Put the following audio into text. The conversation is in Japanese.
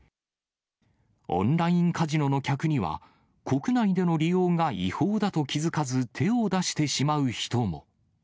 オンラインカジノの客には、国内での利用が違法だと気付かず手を出してしまう人も。